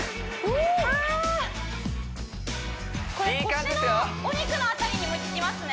腰のお肉の辺りにもききますね